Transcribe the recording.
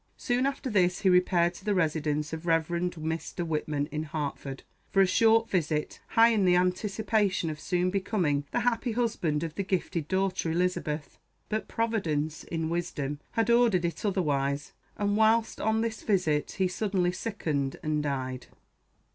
Soon after this he repaired to the residence of Rev. Mr. Whitman, in Hartford, for a short visit, high in the anticipation of soon becoming the happy husband of the gifted daughter Elizabeth. But Providence, in wisdom, had ordered it otherwise; and, while on this visit, he suddenly sickened and died.